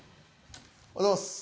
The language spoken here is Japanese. おはようございます。